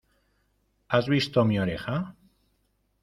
¿ Has visto mi oreja?